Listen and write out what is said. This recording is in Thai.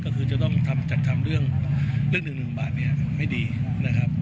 ก็คือจะต้องจัดทำเรื่อง๑บาทไม่ดีนะครับ